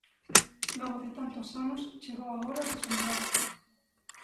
Logo de tantos anos, chegou a hora de Sumrrá?